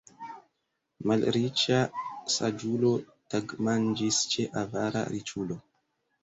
Malriĉa saĝulo tagmanĝis ĉe avara riĉulo.